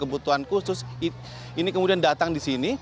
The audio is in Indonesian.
kebutuhan khusus ini kemudian datang di sini